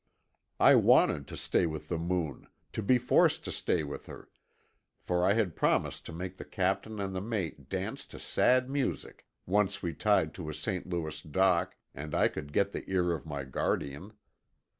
I wanted to stay with the Moon, to be forced to stay with her—for I had promised to make the captain and the mate dance to sad music once we tied to a St. Louis dock and I could get the ear of my guardian.